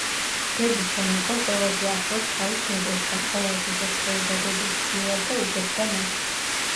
დებისგან იყო ყველაზე ახლოს თავის დედასთან, ყოველთვის ექცეოდა დედას თბილად და უგებდა მას.